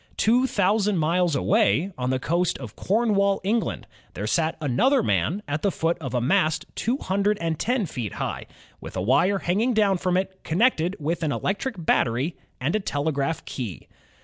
Two thousand miles away, on the coast of Corn wall, England, there sat another man at the foot of a mast two hundred and ten feet high, with a wire hanging down from it connected with an electric battery and a telegraph key.